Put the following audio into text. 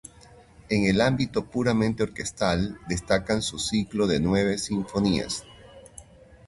En el ámbito puramente orquestal destacan su ciclo de nueve sinfonías.